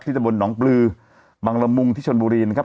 ตะบนหนองปลือบังละมุงที่ชนบุรีนะครับ